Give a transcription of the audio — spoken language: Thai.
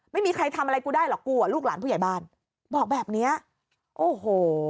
ไม่มีใครทำอะไรกูได้หรอกกูอ่ะลูกหลานผู้ใหญ่บ้านบอกแบบเนี้ยโอ้โห